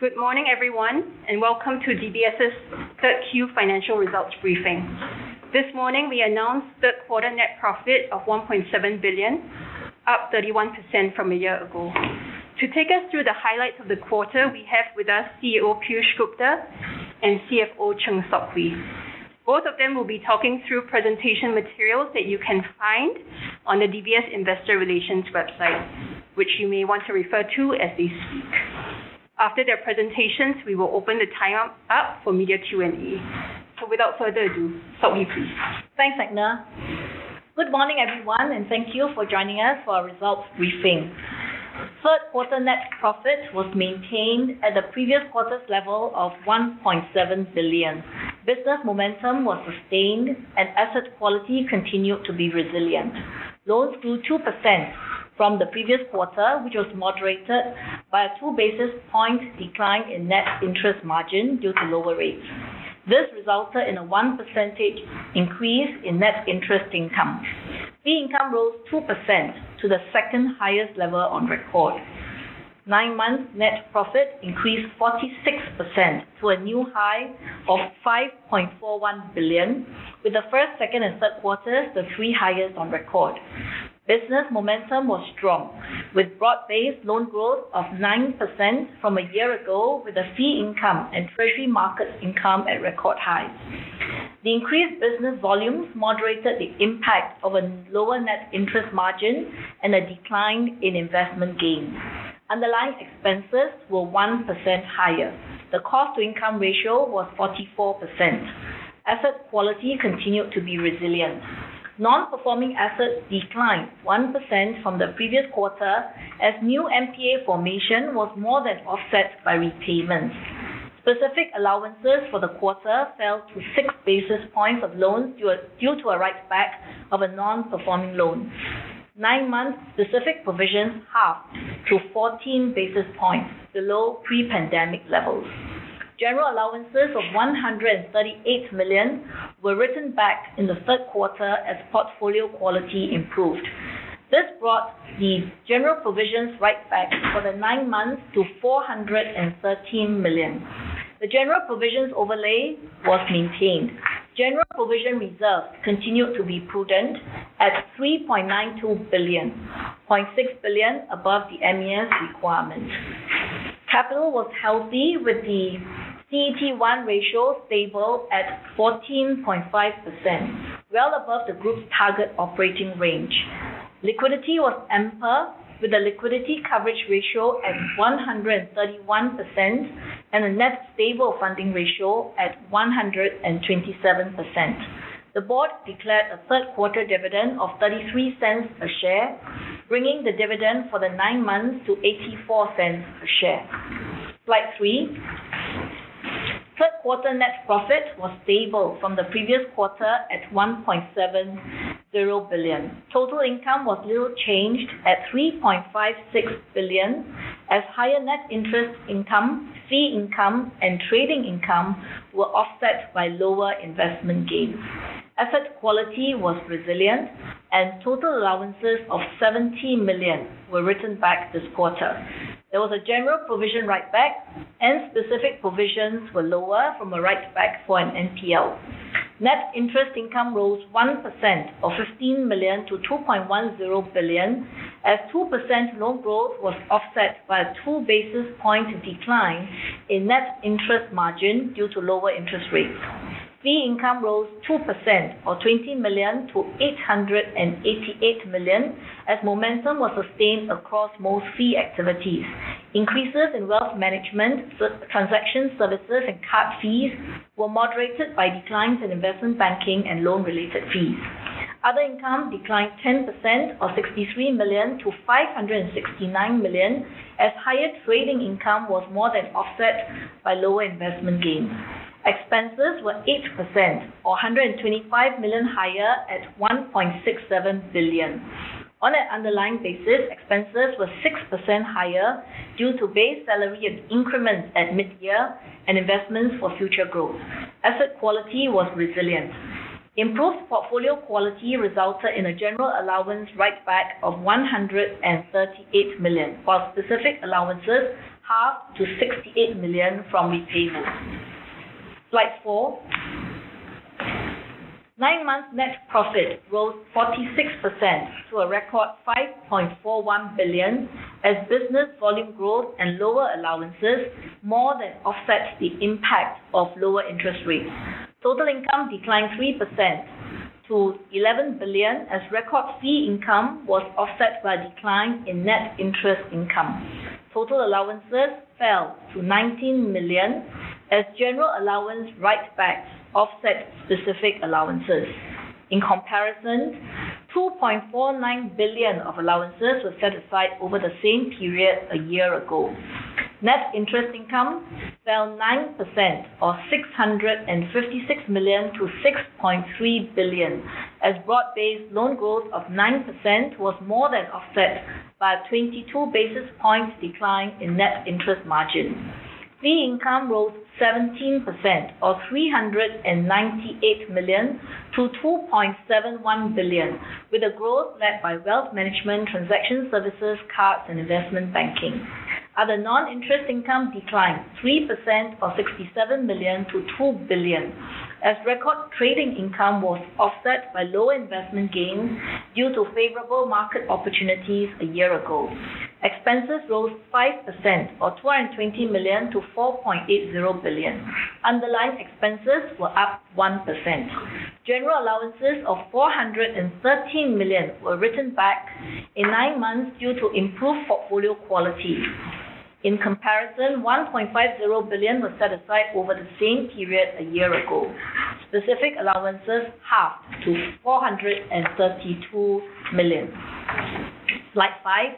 Good morning, everyone, and welcome to DBS's third Q financial results briefing. This morning, we announced third quarter net profit of 1.7 billion, up 31% from a year ago. To take us through the highlights of the quarter, we have with us CEO Piyush Gupta and CFO Chng Sok Hui. Both of them will be talking through presentation materials that you can find on the DBS Investor Relations website, which you may want to refer to as they speak. After their presentations, we will open the time up for media Q&A. So without further ado, Sok Hui, please. Thanks, Edna. Good morning, everyone, and thank you for joining us for our results briefing. Third quarter net profit was maintained at the previous quarter's level of 1.7 billion. Business momentum was sustained and asset quality continued to be resilient. Loans grew 2% from the previous quarter, which was moderated by a two basis point decline in net interest margin due to lower rates. This resulted in a 1% increase in net interest income. Fee income rose 2% to the second highest level on record. Nine months net profit increased 46% to a new high of 5.41 billion, with the first, second and third quarters, the three highest on record. Business momentum was strong, with broad-based loan growth of 9% from a year ago, with the fee income and treasury market income at record highs. The increased business volumes moderated the impact of a lower net interest margin and a decline in investment gains. Underlying expenses were 1% higher. The cost-to-income ratio was 44%. Asset quality continued to be resilient. Non-performing assets declined 1% from the previous quarter, as new NPA formation was more than offset by repayments. Specific allowances for the quarter fell to 6 basis points of loans due, due to a write back of a non-performing loan. Nine months specific provisions halved to 14 basis points, below pre-pandemic levels. General allowances of 138 million were written back in the third quarter as portfolio quality improved. This brought the general provisions write back for the nine months to 413 million. The general provisions overlay was maintained. General provision reserves continued to be prudent at 3.92 billion, 0.6 billion above the MAS requirement. Capital was healthy, with the CET1 ratio stable at 14.5%, well above the group's target operating range. Liquidity was ample, with a liquidity coverage ratio at 131% and a net stable funding ratio at 127%. The board declared a third quarter dividend of 0.33 per share, bringing the dividend for the nine months to 0.84 per share. Slide three. Third quarter net profit was stable from the previous quarter at 1.70 billion. Total income was little changed at 3.56 billion, as higher net interest income, fee income and trading income were offset by lower investment gains. Asset quality was resilient, and total allowances of 70 million were written back this quarter. There was a general provision write-back, and specific provisions were lower from a write-back for an NPL. Net interest income rose 1% or 15 million to 2.10 billion, as 2% loan growth was offset by a two basis point decline in net interest margin due to lower interest rates. Fee income rose 2% or 20 million to 888 million, as momentum was sustained across most fee activities. Increases in wealth management, transaction services and card fees were moderated by declines in investment banking and loan-related fees. Other income declined 10% or 63 million to 569 million, as higher trading income was more than offset by lower investment gains. Expenses were 8% or 125 million higher at 1.67 billion. On an underlying basis, expenses were 6% higher due to base salary and increments at mid-year and investments for future growth. Asset quality was resilient. Improved portfolio quality resulted in a general allowance write-back of 138 million, while specific allowances halved to 68 million from repayments. Slide four. Nine months net profit rose 46% to a record SGD 5.41 billion, as business volume growth and lower allowances more than offset the impact of lower interest rates. Total income declined 3% to 11 billion, as record fee income was offset by a decline in net interest income. Total allowances fell to 19 million as general allowance writebacks offset specific allowances. In comparison, 2.49 billion of allowances were set aside over the same period a year ago. Net interest income fell 9% or 656 million to 6.3 billion, as broad-based loan growth of 9% was more than offset by a 22 basis points decline in net interest margin. Fee income rose 17% or 398 million to 2.71 billion, with a growth led by wealth management, transaction services, cards and investment banking. Other non-interest income declined 3% or 67 million to 2 billion, as record trading income was offset by low investment gains due to favorable market opportunities a year ago. Expenses rose 5% or 220 million to 4.80 billion. Underlying expenses were up 1%. General allowances of 413 million were written back in nine months due to improved portfolio quality. In comparison, 1.50 billion was set aside over the same period a year ago. Specific allowances halved to 432 million. Slide five.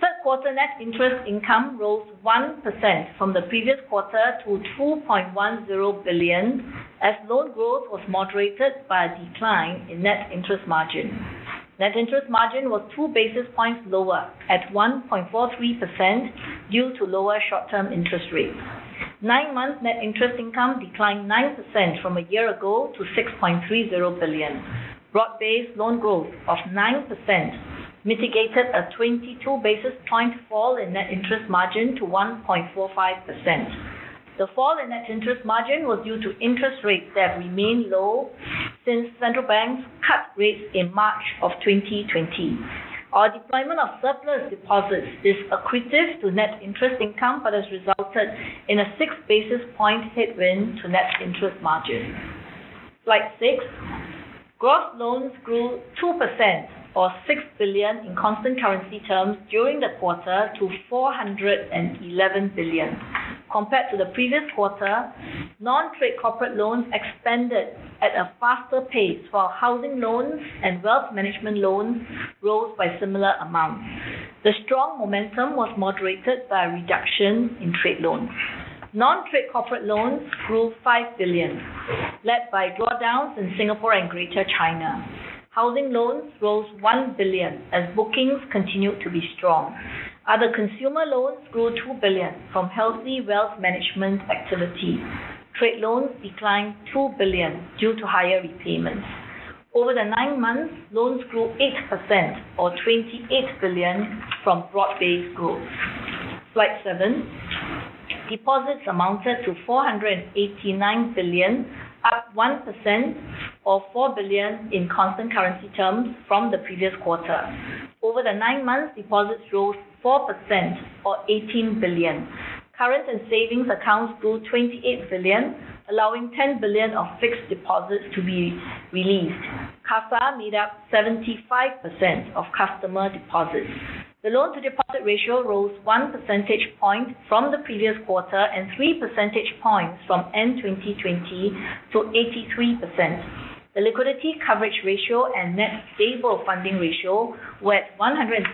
Third quarter net interest income rose 1% from the previous quarter to 2.10 billion, as loan growth was moderated by a decline in net interest margin. Net interest margin was 2 basis points lower at 1.43% due to lower short-term interest rates. Nine-month net interest income declined 9% from a year ago to 6.30 billion. Broad-based loan growth of 9% mitigated a 22 basis point fall in net interest margin to 1.45%. The fall in net interest margin was due to interest rates that remain low since central banks cut rates in March of 2020. Our deployment of surplus deposits is accretive to net interest income, but has resulted in a six basis point headwind to net interest margin. Slide six. Gross loans grew 2% or 6 billion in constant currency terms during the quarter to 411 billion. Compared to the previous quarter, non-trade corporate loans expanded at a faster pace, while housing loans and wealth management loans rose by similar amounts. The strong momentum was moderated by a reduction in trade loans. Non-trade corporate loans grew 5 billion, led by drawdowns in Singapore and Greater China. Housing loans rose 1 billion as bookings continued to be strong. Other consumer loans grew 2 billion from healthy wealth management activity. Trade loans declined 2 billion due to higher repayments. Over the nine months, loans grew 8% or 28 billion from broad-based growth. Slide seven. Deposits amounted to 489 billion, up 1% or 4 billion in constant currency terms from the previous quarter. Over the nine months, deposits rose 4% or 18 billion. Current and savings accounts grew 28 billion, allowing 10 billion of fixed deposits to be released. CASA made up 75% of customer deposits. The loan-to-deposit ratio rose one percentage point from the previous quarter and three percentage points from end 2020 to 83%. The liquidity coverage ratio and net stable funding ratio were at 131%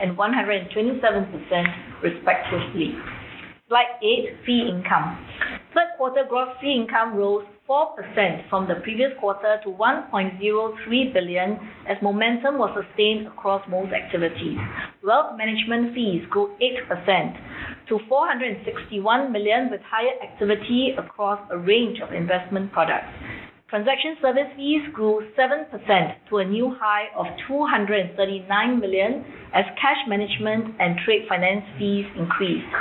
and 127%, respectively. Slide eight, Fee Income. Third quarter gross fee income rose 4% from the previous quarter to 1.03 billion, as momentum was sustained across most activities. Wealth management fees grew 8% to 461 million, with higher activity across a range of investment products. Transaction service fees grew 7% to a new high of 239 million, as cash management and trade finance fees increased.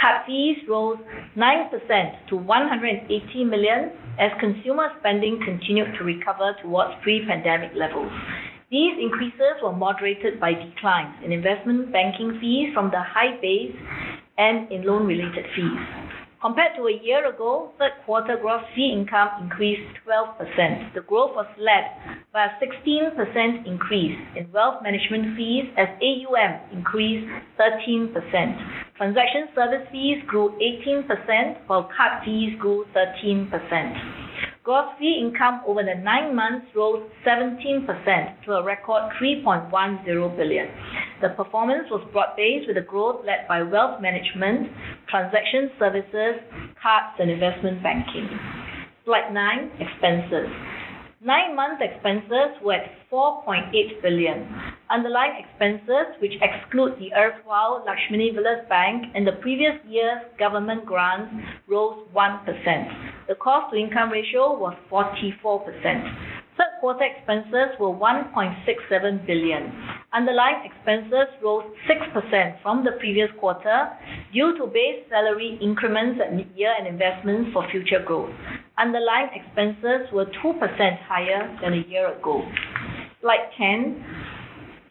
Card fees rose 9% to 180 million as consumer spending continued to recover towards pre-pandemic levels. These increases were moderated by declines in investment banking fees from the high base and in loan-related fees. Compared to a year ago, third quarter gross fee income increased 12%. The growth was led by a 16% increase in wealth management fees, as AUM increased 13%. Transaction service fees grew 18%, while card fees grew 13%. Gross fee income over the nine months rose 17% to a record 3.10 billion. The performance was broad-based, with a growth led by wealth management, transaction services, cards, and investment banking. Slide nine, Expenses. Nine-month expenses were at 4.8 billion. Underlying expenses, which exclude the erstwhile Lakshmi Vilas Bank and the previous year's government grants, rose 1%. The cost-to-income ratio was 44%. Third quarter expenses were 1.67 billion. Underlying expenses rose 6% from the previous quarter due to base salary increments at midyear and investments for future growth. Underlying expenses were 2% higher than a year ago. Slide 10,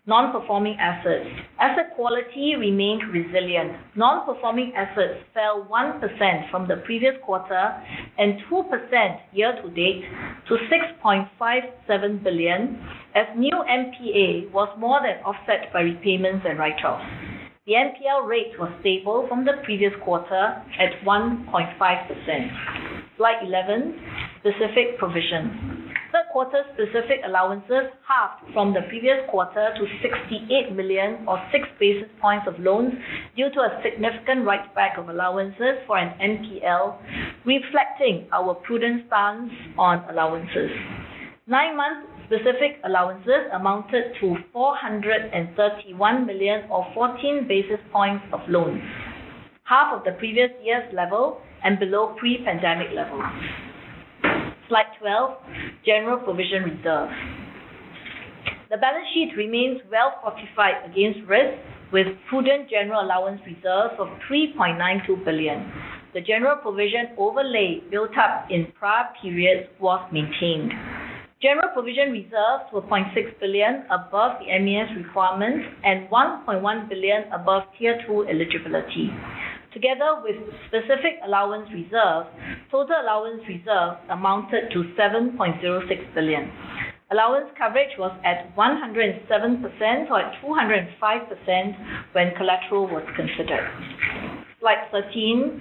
Non-Performing Assets. Asset quality remained resilient. Non-performing assets fell 1% from the previous quarter and 2% year to date to 6.57 billion, as new NPA was more than offset by repayments and write-offs. The NPL rate was stable from the previous quarter at 1.5%. Slide 11, Specific Provision. Third quarter specific allowances halved from the previous quarter to 68 million or 6 basis points of loans due to a significant write-back of allowances for an NPL, reflecting our prudent stance on allowances. Nine-month specific allowances amounted to 431 million or 14 basis points of loans, half of the previous year's level and below pre-pandemic levels. Slide 12, general provision reserve. The balance sheet remains well fortified against risk, with prudent general allowance reserves of 3.92 billion. The general provision overlay built up in prior periods was maintained. General provision reserves were 0.6 billion above the MAS requirements and 1.1 billion above Tier 2 eligibility. Together with specific allowance reserve, total allowance reserve amounted to 7.06 billion. Allowance coverage was at 107%, or at 205% when collateral was considered. Slide 13,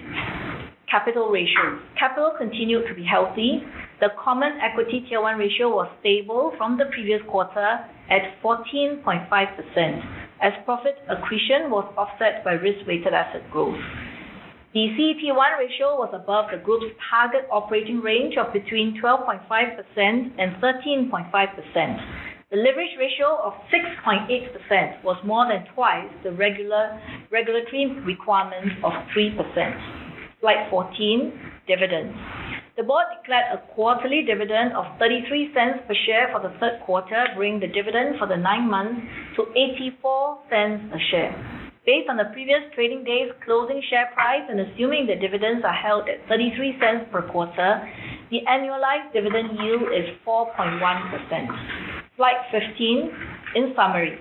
capital ratios. Capital continued to be healthy. The Common Equity Tier 1 ratio was stable from the previous quarter at 14.5%, as profit accretion was offset by risk-weighted asset growth. The CET1 ratio was above the group's target operating range of between 12.5% and 13.5%. The leverage ratio of 6.8% was more than twice the regulatory requirement of 3%. Slide 14, dividends. The board declared a quarterly dividend of 0.33 per share for the third quarter, bringing the dividend for the nine months to 0.84 a share. Based on the previous trading day's closing share price, and assuming the dividends are held at 0.33 per quarter, the annualized dividend yield is 4.1%. Slide 15, in summary.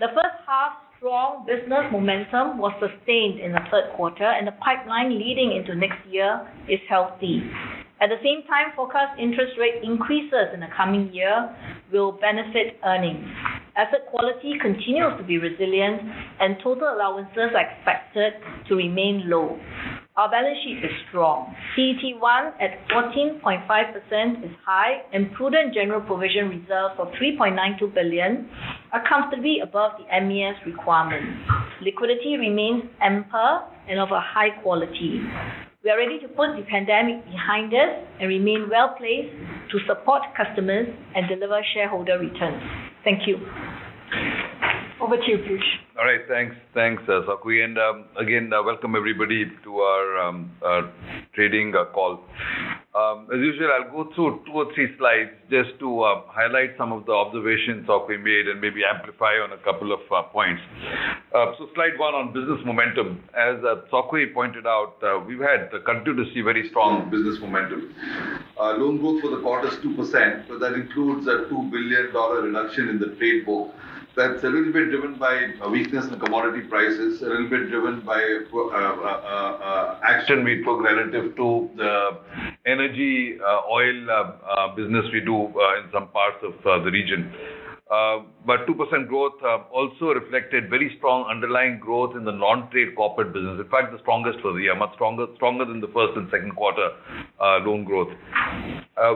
The first half strong business momentum was sustained in the third quarter, and the pipeline leading into next year is healthy. At the same time, forecast interest rate increases in the coming year will benefit earnings. Asset quality continues to be resilient, and total allowances are expected to remain low. Our balance sheet is strong. CET1 at 14.5% is high, and prudent general provision reserves of SGD 3.92 billion are comfortably above the MAS requirements. Liquidity remains ample and of a high quality. We are ready to put the pandemic behind us and remain well-placed to support customers and deliver shareholder returns. Thank you. Over to you, Piyush. All right, thanks. Thanks, Sok Hui, and, again, welcome, everybody, to our trading call. As usual, I'll go through two or three slides just to highlight some of the observations Sok Hui made and maybe amplify on a couple of points. So slide one on business momentum. As Sok Hui pointed out, we've had continued to see very strong business momentum. Loan growth for the quarter is 2%, but that includes a $2 billion reduction in the trade book. That's a little bit driven by a weakness in commodity prices, a little bit driven by action we took relative to the energy, oil, business we do in some parts of the region. But 2% growth also reflected very strong underlying growth in the non-trade corporate business. In fact, the strongest for the year, much stronger, stronger than the first and second quarter loan growth.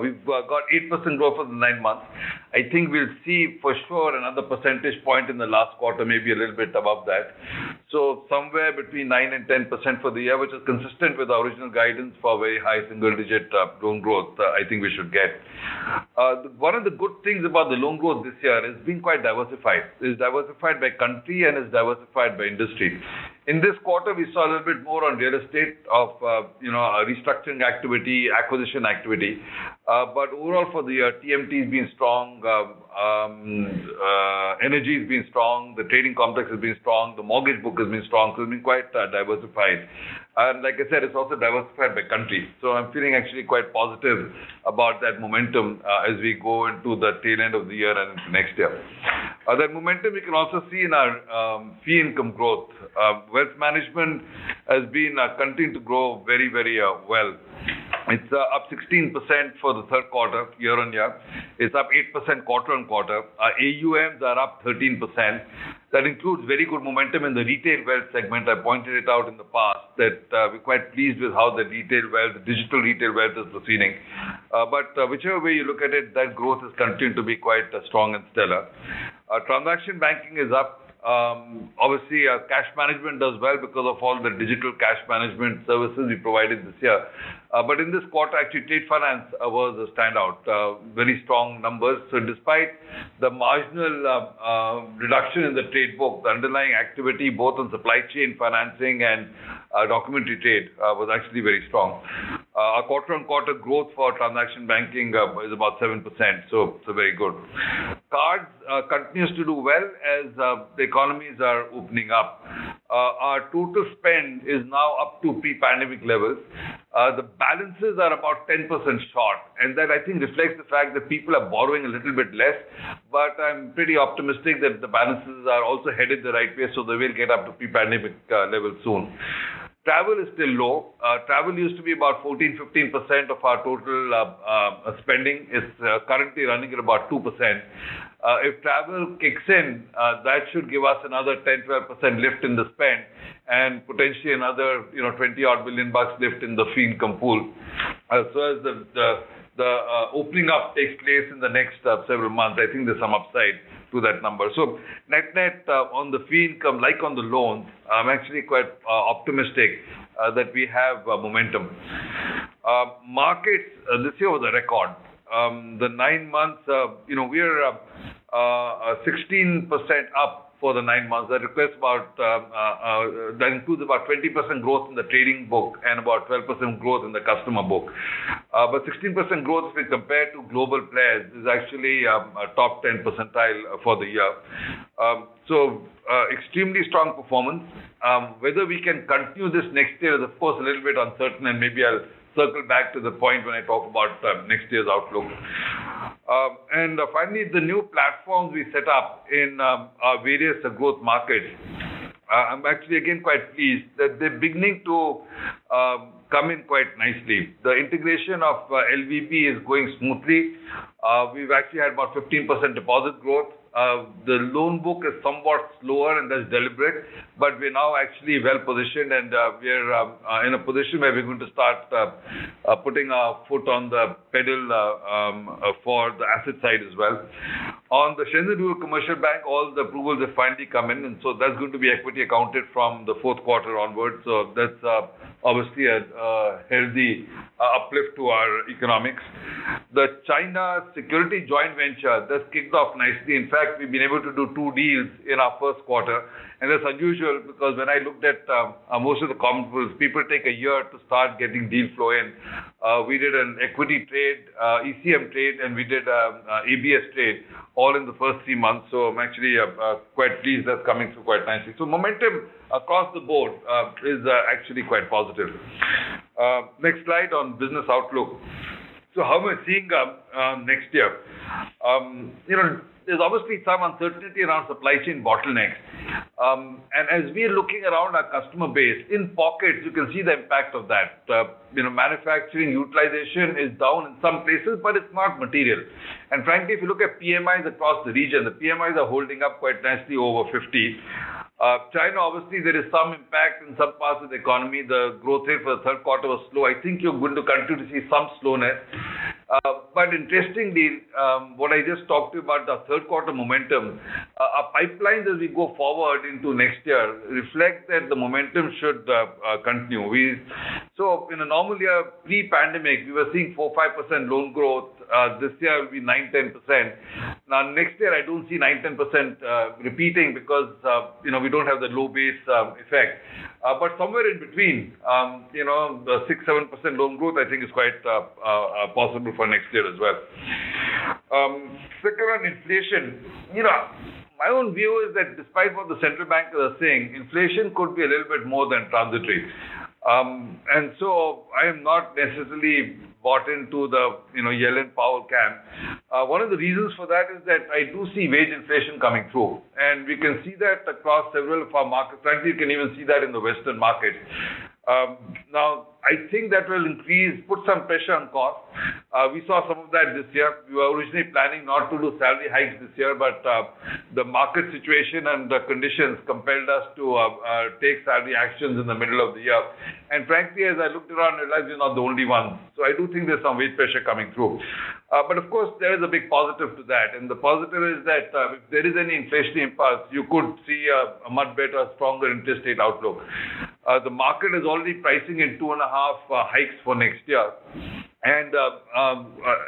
We've got 8% growth for the nine months. I think we'll see, for sure, another percentage point in the last quarter, maybe a little bit above that. So somewhere between 9% and 10% for the year, which is consistent with our original guidance for very high single-digit loan growth, I think we should get. One of the good things about the loan growth this year, it's been quite diversified. It's diversified by country and is diversified by industry. In this quarter, we saw a little bit more on real estate of, you know, restructuring activity, acquisition activity. But overall for the year, TMT has been strong. Energy has been strong, the trading complex has been strong, the mortgage book has been strong, so it's been quite diversified. And like I said, it's also diversified by country, so I'm feeling actually quite positive about that momentum, as we go into the tail end of the year and next year. That momentum we can also see in our, fee income growth. Wealth management has been, continuing to grow very, very, well. It's, up 16% for the third quarter, year-on-year. It's up 8% quarter-on-quarter. Our AUMs are up 13%. That includes very good momentum in the retail wealth segment. I pointed it out in the past that, we're quite pleased with how the retail wealth, digital retail wealth is proceeding. But whichever way you look at it, that growth has continued to be quite strong and stellar. Our transaction banking is up. Obviously, our cash management does well because of all the digital cash management services we provided this year. But in this quarter, actually, trade finance was a standout. Very strong numbers. So despite the marginal reduction in the trade book, the underlying activity, both on supply chain financing and documentary trade, was actually very strong. Our quarter-on-quarter growth for transaction banking is about 7%, so it's very good. Cards continues to do well as the economies are opening up. Our total spend is now up to pre-pandemic levels. The balances are about 10% short, and that, I think, reflects the fact that people are borrowing a little bit less, but I'm pretty optimistic that the balances are also headed the right way, so they will get up to pre-pandemic level soon. Travel is still low. Travel used to be about 14, 15% of our total spending. It's currently running at about 2%. If travel kicks in, that should give us another 10, 12% lift in the spend and potentially another, you know, $20-odd billion lift in the fee income pool. As far as the opening up takes place in the next several months, I think there's some upside to that number. So net-net, on the fee income, like on the loans, I'm actually quite optimistic that we have momentum. Markets this year was a record. The nine months, you know, we are up sixteen percent up for the nine months. That requires about, that includes about 20% growth in the trading book and about 12% growth in the customer book. But 16% growth, if compared to global players, is actually a top 10 percentile for the year. So extremely strong performance. Whether we can continue this next year is, of course, a little bit uncertain, and maybe I'll circle back to the point when I talk about next year's outlook. And finally, the new platforms we set up in our various growth markets, I'm actually again quite pleased that they're beginning to come in quite nicely. The integration of LVB is going smoothly. We've actually had about 15% deposit growth. The loan book is somewhat slower, and that's deliberate, but we're now actually well-positioned, and we're in a position where we're going to start putting our foot on the pedal for the asset side as well. On the Shenzhen Rural Commercial Bank, all the approvals have finally come in, and so that's going to be equity accounted from the fourth quarter onwards. So that's obviously a healthy uplift to our economics. The China Securities joint venture, that's kicked off nicely. In fact, we've been able to do two deals in our first quarter, and that's unusual because when I looked at most of the comparable, people take a year to start getting deal flow in. We did an equity trade, ECM trade, and we did ABS trade, all in the first three months, so I'm actually quite pleased. That's coming through quite nicely. So momentum across the board is actually quite positive. Next slide on business outlook. So how am I seeing next year? You know, there's obviously some uncertainty around supply chain bottlenecks. And as we're looking around our customer base, in pockets, you can see the impact of that. You know, manufacturing utilization is down in some places, but it's not material. Frankly, if you look at PMIs across the region, the PMIs are holding up quite nicely over 50. China, obviously, there is some impact in some parts of the economy. The growth rate for the third quarter was slow. I think you're going to continue to see some slowness. But interestingly, what I just talked to you about the third quarter momentum, our pipeline, as we go forward into next year, reflects that the momentum should continue. So in a normal year, pre-pandemic, we were seeing 4%-5% loan growth. This year will be 9%-10%. Now, next year, I don't see 9%-10% repeating because, you know, we don't have the low base effect. But somewhere in between, you know, the 6-7% loan growth, I think is quite possible for next year as well. Quicker on inflation. You know, my own view is that despite what the central banks are saying, inflation could be a little bit more than transitory. And so I have not necessarily bought into the, you know, Yellen Powell camp. One of the reasons for that is that I do see wage inflation coming through, and we can see that across several of our markets. Frankly, you can even see that in the Western market. Now, I think that will increase, put some pressure on costs. We saw some of that this year. We were originally planning not to do salary hikes this year, but the market situation and the conditions compelled us to take salary actions in the middle of the year. And frankly, as I looked around, realized we're not the only ones. So I do think there's some wage pressure coming through. But of course, there is a big positive to that, and the positive is that if there is any inflationary impulse, you could see a much better, stronger interstate outlook. The market is already pricing in 2.5 hikes for next year. And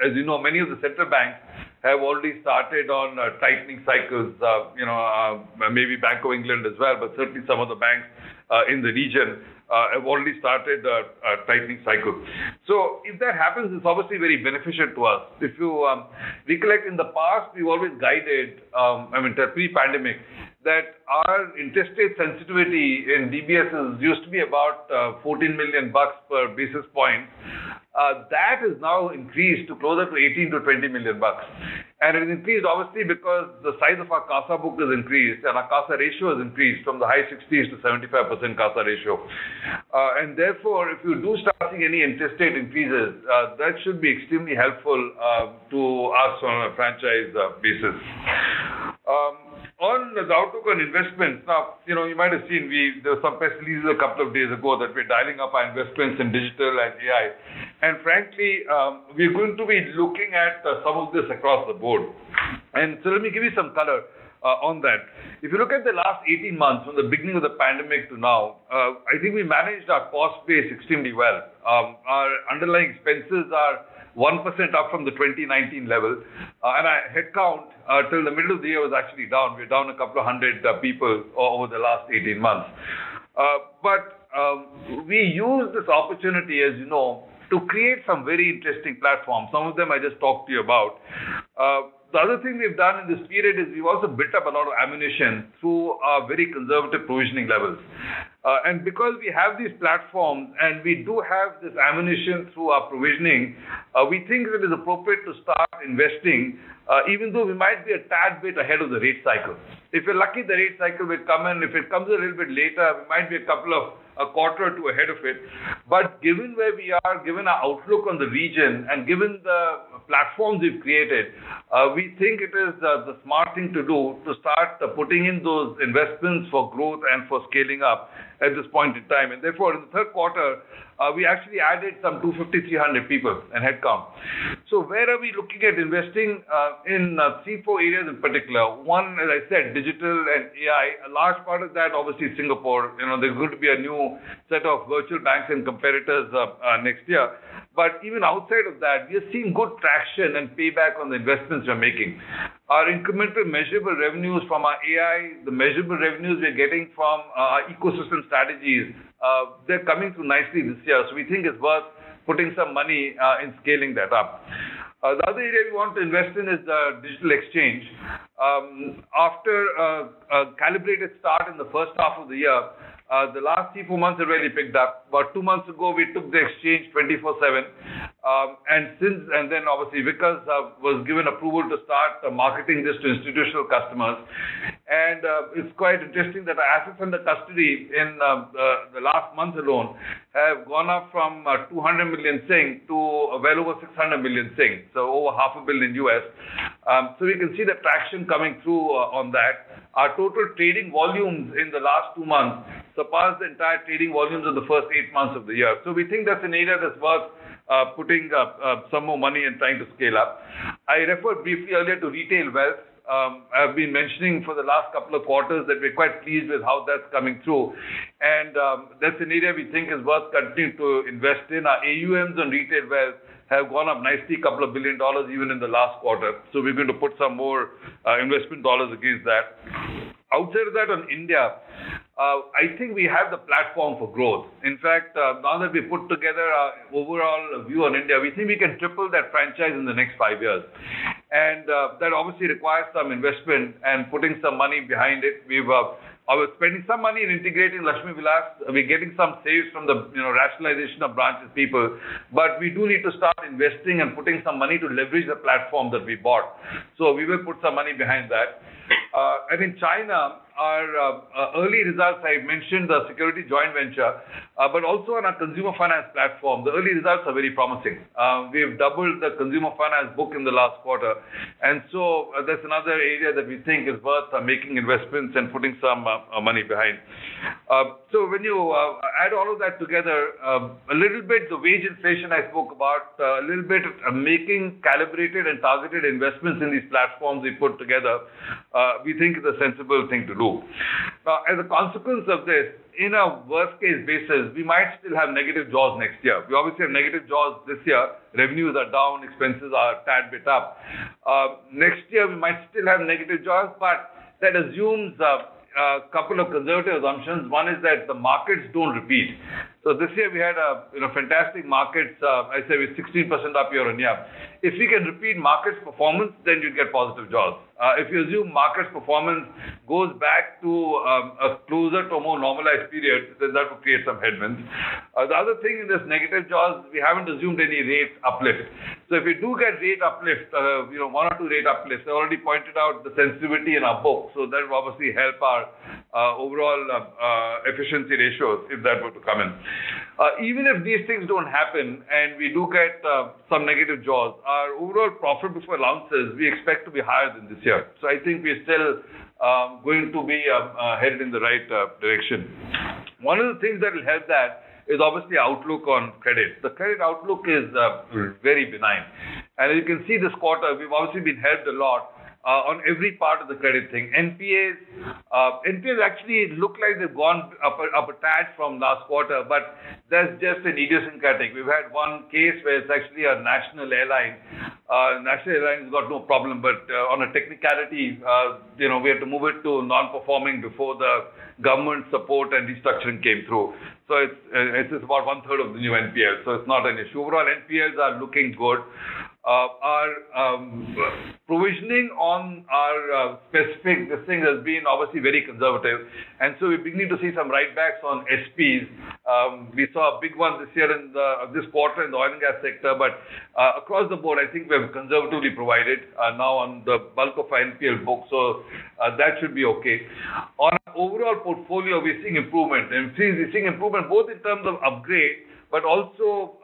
as you know, many of the central banks have already started on tightening cycles, you know, maybe Bank of England as well, but certainly some of the banks in the region have already started a tightening cycle. So if that happens, it's obviously very beneficial to us. If you recollect in the past, we've always guided, I mean, pre-pandemic, that our interest rate sensitivity in DBS's used to be about $14 million per basis point. That has now increased to closer to $18-$20 million. And it increased, obviously, because the size of our CASA book is increased, and our CASA ratio has increased from the high 60s to 75% CASA ratio. And therefore, if you do starting any interest rate increases, that should be extremely helpful to us on a franchise basis. On the outlook on investments, now, you know, you might have seen. There was some press release a couple of days ago that we're dialing up our investments in digital and AI. Frankly, we're going to be looking at some of this across the board. So let me give you some color on that. If you look at the last 18 months, from the beginning of the pandemic to now, I think we managed our cost base extremely well. Our underlying expenses are 1% up from the 2019 level, and our headcount, till the middle of the year, was actually down. We're down a couple of hundred people over the last 18 months. But we used this opportunity, as you know, to create some very interesting platforms. Some of them I just talked to you about. The other thing we've done in this period is we've also built up a lot of ammunition through our very conservative provisioning levels. And because we have these platforms, and we do have this ammunition through our provisioning, we think it is appropriate to start investing, even though we might be a tad bit ahead of the rate cycle. If we're lucky, the rate cycle will come in. If it comes a little bit later, we might be a quarter or two ahead of it. But given where we are, given our outlook on the region and given the platforms we've created, we think it is the smart thing to do, to start putting in those investments for growth and for scaling up at this point in time. And therefore, in the third quarter, we actually added some 250-300 people in headcount. So where are we looking at investing? In three to four areas in particular. One, as I said, digital and AI. A large part of that, obviously, Singapore. You know, there's going to be a new set of virtual banks and competitors, next year. But even outside of that, we are seeing good traction and payback on the investments we're making. Our incremental measurable revenues from our AI, the measurable revenues we're getting from our ecosystem strategies, they're coming through nicely this year. So we think it's worth putting some money, in scaling that up. The other area we want to invest in is the digital exchange. After, a calibrated start in the first half of the year, the last 3-4 months have really picked up. About 2 months ago, we took the exchange 24/7. And since, and then obviously, because, was given approval to start marketing this to institutional customers. It's quite interesting that our assets under custody in the last month alone have gone up from 200 million SGD to well over 600 million SGD, so over $500 million. So we can see the traction coming through on that. Our total trading volumes in the last two months surpassed the entire trading volumes of the first eight months of the year. So we think that's an area that's worth putting up some more money and trying to scale up. I referred briefly earlier to retail wealth. I've been mentioning for the last couple of quarters that we're quite pleased with how that's coming through. And that's an area we think is worth continuing to invest in. Our AUMs and retail wealth have gone up nicely, 2 billion dollars, even in the last quarter. We're going to put some more investment dollars against that. Out there, that on India, I think we have the platform for growth. In fact, now that we put together our overall view on India, we think we can triple that franchise in the next five years. And that obviously requires some investment and putting some money behind it. We are spending some money in integrating Lakshmi Vilas. We're getting some savings from the, you know, rationalization of branches people, but we do need to start investing and putting some money to leverage the platform that we bought, so we will put some money behind that. In China, our early results, I mentioned the securities joint venture, but also on our consumer finance platform, the early results are very promising. We've doubled the consumer finance book in the last quarter, and so that's another area that we think is worth making investments and putting some money behind. So when you add all of that together, a little bit, the wage inflation I spoke about, a little bit of making calibrated and targeted investments in these platforms we put together, we think is a sensible thing to do. Now, as a consequence of this, in a worst-case basis, we might still have negative jaws next year. We obviously have negative jaws this year. Revenues are down, expenses are a tad bit up. Next year, we might still have negative jaws, but that assumes a couple of conservative assumptions. One is that the markets don't repeat. So this year we had a, you know, fantastic markets. I say we're 16% up year-on-year. If we can repeat market performance, then you'd get positive jaws. If you assume market performance goes back to a closer to a more normalized period, then that would create some headwinds. The other thing in this negative jaws, we haven't assumed any rate uplift. So if we do get rate uplift, you know, one or two rate uplifts, I already pointed out the sensitivity in our book, so that will obviously help our overall efficiency ratios, if that were to come in. Even if these things don't happen and we do get some negative jaws, our overall profit before allowances, we expect to be higher than this year. So I think we're still going to be headed in the right direction. One of the things that will help that is obviously outlook on credit. The credit outlook is very benign. As you can see this quarter, we've obviously been helped a lot on every part of the credit thing. NPAs, NPAs actually look like they've gone up a tad from last quarter, but that's just an idiosyncratic. We've had one case where it's actually a national airline. National airline has got no problem, but on a technicality, you know, we had to move it to non-performing before the government support and restructuring came through. So it's, it's about one-third of the new NPA, so it's not an issue. Overall, NPAs are looking good. Our provisioning on our specific testing has been obviously very conservative, and so we're beginning to see some write-backs on SPs. We saw a big one this quarter in the oil and gas sector, but across the board, I think we have conservatively provided now on the bulk of our NPA book, so that should be okay. On our overall portfolio, we're seeing improvement, and we're seeing improvement both in terms of upgrade, but also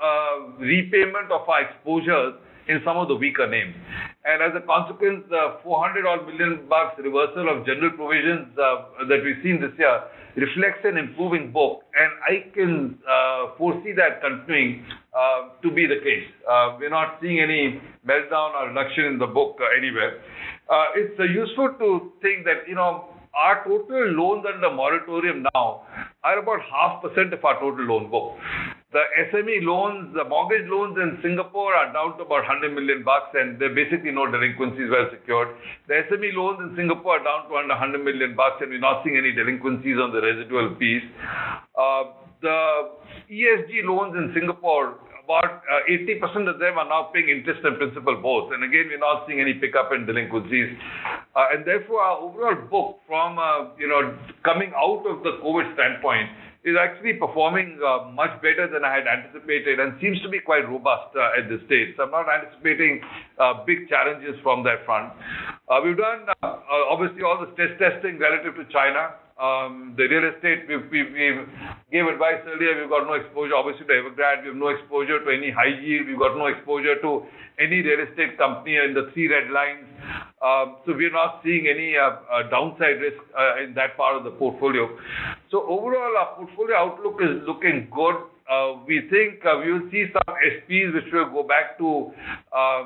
repayment of our exposures in some of the weaker names. As a consequence, 400-odd billion bucks reversal of general provisions that we've seen this year reflects an improving book, and I can foresee that continuing to be the case. We're not seeing any meltdown or reduction in the book anywhere. It's useful to think that, you know, our total loans under moratorium now are about 0.5% of our total loan book. The SME loans, the mortgage loans in Singapore are down to about 100 million bucks, and they're basically no delinquencies, well secured. The SME loans in Singapore are down to under 100 million bucks, and we're not seeing any delinquencies on the residual piece. The ESG loans in Singapore, about 80% of them are now paying interest and principal both, and again, we're not seeing any pickup in delinquencies. And therefore, our overall book from, you know, coming out of the COVID standpoint, is actually performing, much better than I had anticipated and seems to be quite robust, at this stage. So I'm not anticipating, big challenges from that front. We've done, obviously all the stress testing relative to China. The real estate, we've gave advice earlier, we've got no exposure, obviously, to Evergrande. We have no exposure to any high yield. We've got no exposure to any real estate company in the Three Red Lines. So we're not seeing any, downside risk, in that part of the portfolio. So overall, our portfolio outlook is looking good. We think, we will see some SPs, which will go back to,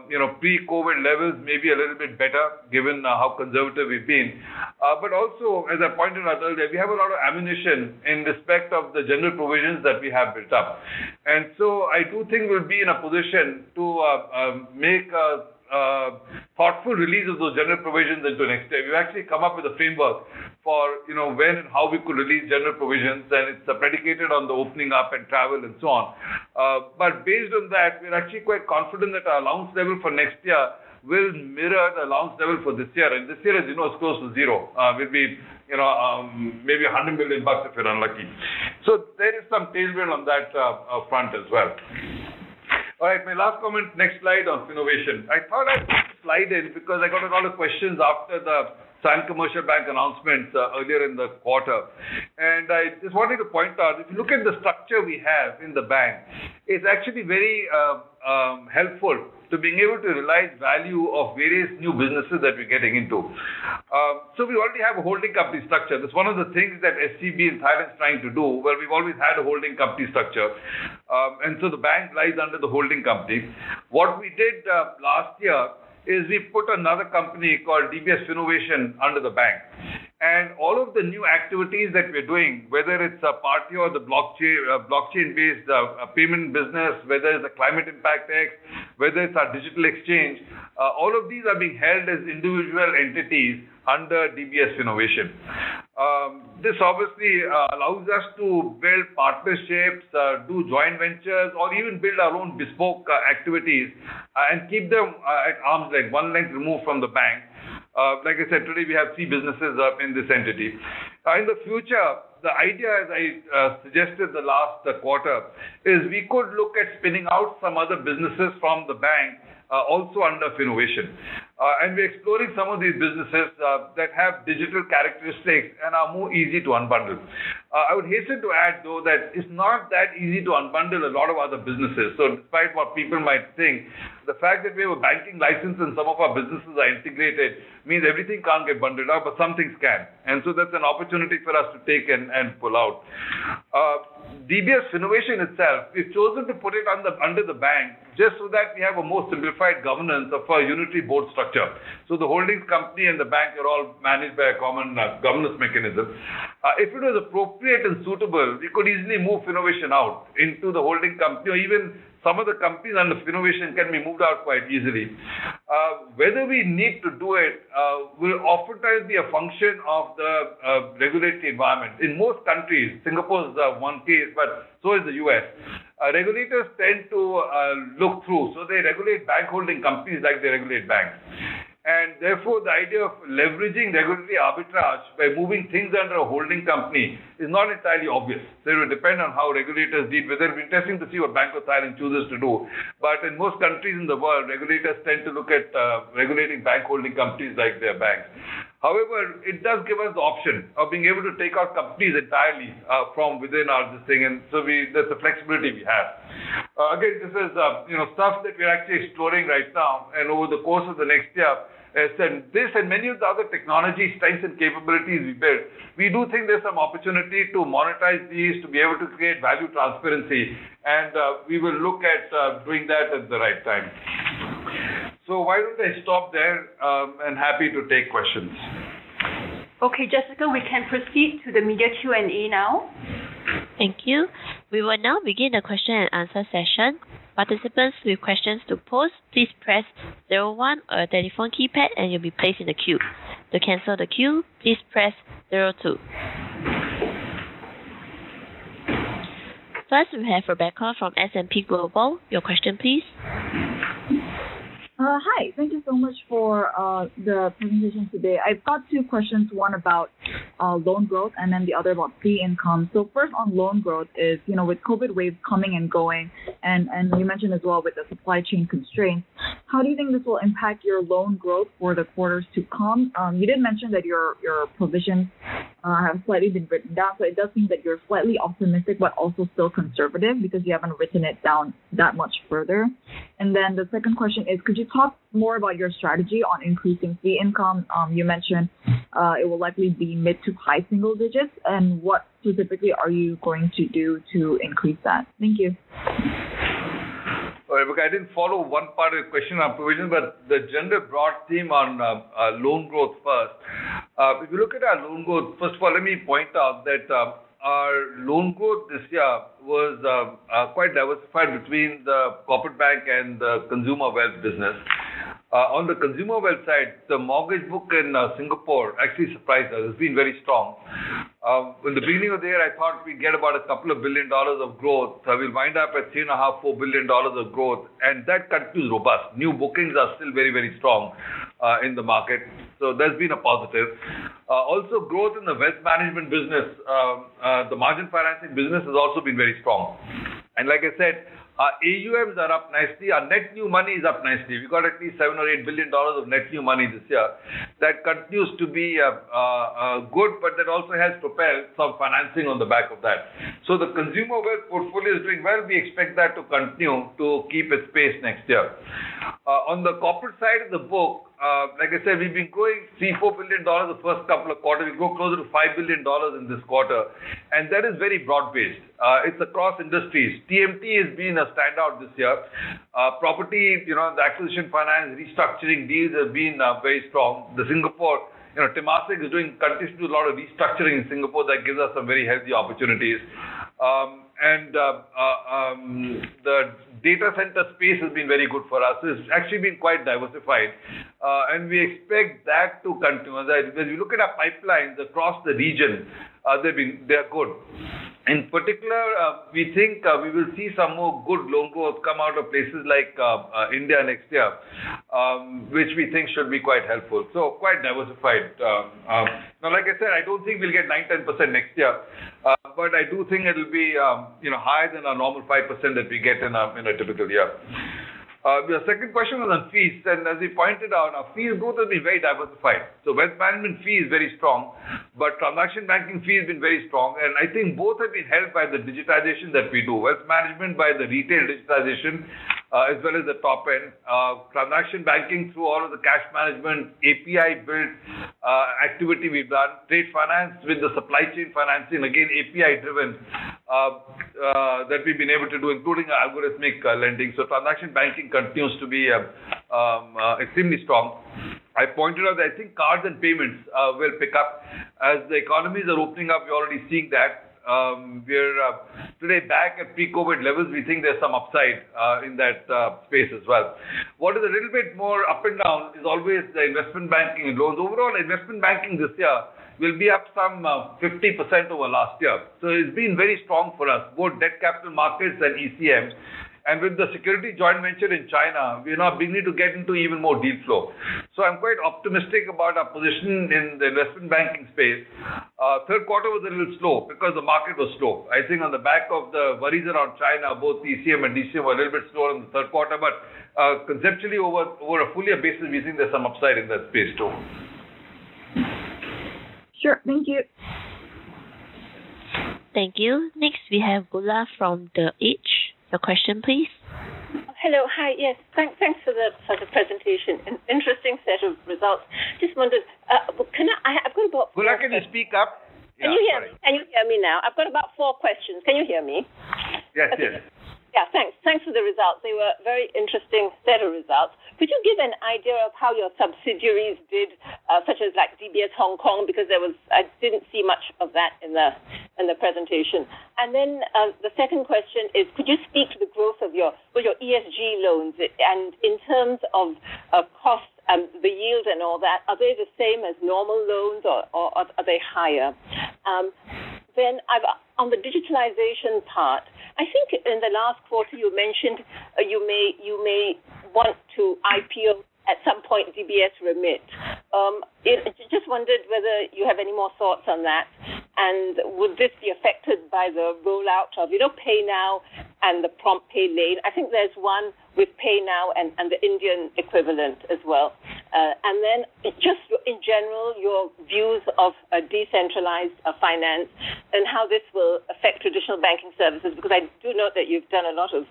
you know, pre-COVID levels, maybe a little bit better, given how conservative we've been. But also, as I pointed out earlier, we have a lot of ammunition in respect of the general provisions that we have built up. And so I do think we'll be in a position to make thoughtful release of those general provisions into next year. We've actually come up with a framework for, you know, when and how we could release general provisions, and it's predicated on the opening up and travel and so on. But based on that, we're actually quite confident that our allowance level for next year will mirror the allowance level for this year. And this year, as you know, it's close to zero, will be, you know, maybe 100 million bucks if we're unlucky. So there is some tailwind on that front as well. All right, my last comment, next slide on innovation. I thought I'd put this slide in because I got a lot of questions after the Siam Commercial Bank announcement earlier in the quarter. I just wanted to point out, if you look at the structure we have in the bank, it's actually very helpful to being able to realize value of various new businesses that we're getting into. So we already have a holding company structure. That's one of the things that SCB in Thailand is trying to do, where we've always had a holding company structure. And so the bank lies under the holding company. What we did last year is we put another company called DBS Innovation under the bank. All of the new activities that we're doing, whether it's Partior, the blockchain-based payment business, whether it's Climate Impact X, whether it's a digital exchange, all of these are being held as individual entities under DBS Innovation. This obviously allows us to build partnerships, do joint ventures, or even build our own bespoke activities and keep them at arm's length, one length removed from the bank. Like I said, today, we have three businesses up in this entity. In the future, the idea, as I suggested the last quarter, is we could look at spinning out some other businesses from the bank, also under Innovation. And we're exploring some of these businesses that have digital characteristics and are more easy to unbundle. I would hasten to add, though, that it's not that easy to unbundle a lot of other businesses. So despite what people might think, the fact that we have a banking license and some of our businesses are integrated means everything can't get bundled up, but some things can. And so that's an opportunity for us to take and, and pull out. DBS Innovation itself, we've chosen to put it under the bank just so that we have a more simplified governance of our unified board structure. So the holding company and the bank are all managed by a common governance mechanism. If it was appropriate and suitable, we could easily move innovation out into the holding company, or even some of the companies under innovation can be moved out quite easily. Whether we need to do it will oftentimes be a function of the regulatory environment. In most countries, Singapore is one case, but so is the U.S. Regulators tend to look through, so they regulate bank holding companies like they regulate banks. And therefore, the idea of leveraging regulatory arbitrage by moving things under a holding company is not entirely obvious. So it will depend on how regulators deal. But it'll be interesting to see what Bank of Thailand chooses to do. But in most countries in the world, regulators tend to look at regulating bank holding companies like they're banks. However, it does give us the option of being able to take our companies entirely from within our thing, and so we—that's the flexibility we have. Again, this is, you know, stuff that we're actually exploring right now and over the course of the next year. As in this and many of the other technology stacks and capabilities we built, we do think there's some opportunity to monetize these, to be able to create value transparency, and we will look at doing that at the right time. So why don't I stop there, and happy to take questions? Okay, Jessica, we can proceed to the media Q&A now. Thank you. We will now begin the question and answer session. Participants with questions to pose, please press zero one on your telephone keypad, and you'll be placed in the queue. To cancel the queue, please press zero two. First, we have Rebecca from S&P Global. Your question, please. Hi. Thank you so much for the presentation today. I've got two questions, one about loan growth and then the other about fee income. So first on loan growth is, you know, with COVID waves coming and going, and you mentioned as well with the supply chain constraints, how do you think this will impact your loan growth for the quarters to come? You did mention that your provisions have slightly been written down, so it does seem that you're slightly optimistic but also still conservative because you haven't written it down that much further. And then the second question is, could you talk more about your strategy on increasing fee income? You mentioned it will likely be mid to high single digits, and what specifically are you going to do to increase that? Thank you. All right, Rebecca, I didn't follow one part of the question on provision, but the general broad theme on loan growth first. If you look at our loan growth, first of all, let me point out that our loan growth this year was quite diversified between the corporate bank and the consumer wealth business. On the consumer wealth side, the mortgage book in Singapore actually surprised us. It's been very strong. In the beginning of the year, I thought we'd get about 2 billion dollars of growth. So we'll wind up at 3.5 billion-4 billion dollars of growth, and that continues robust. New bookings are still very, very strong in the market, so that's been a positive. Also growth in the wealth management business, the margin financing business has also been very strong. Like I said, our AUMs are up nicely. Our net new money is up nicely. We got at least $7 billion-$8 billion of net new money this year. That continues to be good, but that also has propelled some financing on the back of that. So the consumer wealth portfolio is doing well. We expect that to continue to keep its pace next year. On the corporate side of the book, like I said, we've been growing $3 billion-$4 billion the first couple of quarters. We grew closer to $5 billion in this quarter, and that is very broad-based. It's across industries. TMT has been a standout this year. Property, you know, the acquisition, finance, restructuring, these have been very strong. The Singapore, you know, Temasek, is doing continuously a lot of restructuring in Singapore that gives us some very healthy opportunities. And the data center space has been very good for us. It's actually been quite diversified, and we expect that to continue. As when you look at our pipelines across the region, they are good. In particular, we think we will see some more good logos come out of places like India next year, which we think should be quite helpful. So quite diversified. Now, like I said, I don't think we'll get 9%-10% next year, but I do think it'll be, you know, higher than our normal 5% that we get in a typical year. Your second question on our fees, and as you pointed out, our fee is going to be very diversified. So wealth management fee is very strong, but transaction banking fee has been very strong, and I think both have been helped by the digitization that we do. Wealth management by the retail digitization, as well as the top end, transaction banking through all of the cash management, API built, activity we've done, trade finance with the supply chain financing, again, API driven, that we've been able to do, including algorithmic lending. So transaction banking continues to be extremely strong. I pointed out that I think cards and payments will pick up. As the economies are opening up, we're already seeing that, we're today back at pre-COVID levels, we think there's some upside in that space as well. What is a little bit more up and down is always the investment banking loans. Overall, investment banking this year will be up some 50% over last year. So it's been very strong for us, both debt capital markets and ECM. And with the security joint venture in China, we are now beginning to get into even more deal flow. So I'm quite optimistic about our position in the investment banking space. Third quarter was a little slow because the market was slow. I think on the back of the worries around China, both ECM and DCM were a little bit slow in the third quarter, but conceptually, over a full year basis, we think there's some upside in that space, too. Sure. Thank you. Thank you. Next, we have Goola from The Edge Singapore. Your question, please. Hello. Hi, yes. Thanks for the sort of presentation. An interesting set of results. Just wondered, can I? I've got about- Goola, can you speak up? Can you hear me, can you hear me now? I've got about four questions. Can you hear me? Yes, yes. Yeah. Thanks. Thanks for the results. They were very interesting set of results. Could you give an idea of how your subsidiaries did, such as like DBS Hong Kong? Because there was... I didn't see much of that in the presentation. And then, the second question is, could you speak to the growth of your, with your ESG loans? And in terms of cost and the yield and all that, are they the same as normal loans or are they higher? Then I've on the digitalization part, I think in the last quarter you mentioned, you may want to IPO at some point, DBS Remit. Just wondered whether you have any more thoughts on that, and would this be affected by the rollout of, you know, PayNow and the PromptPay? I think there's one with PayNow and the Indian equivalent as well. And then just in general, your views of a decentralized finance and how this will affect traditional banking services, because I do know that you've done a lot of